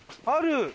ある。